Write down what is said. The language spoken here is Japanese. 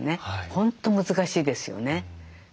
本当難しいですよね。